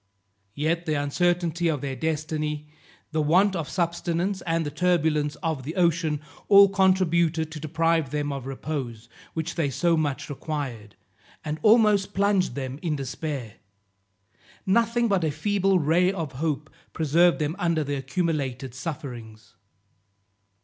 Yet the uncertainty of their destiny, the want of subsistence, and the turbulence of the ocean, all contributed to deprive them of repose, which they so much required, and almost plunged them in despair. Nothing but a feeble ray of hope preserved them under their accumulated sufferings.